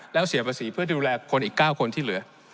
แล้วเสียภาษีเพื่อดูแลคนอีก๙คนที่เหลือ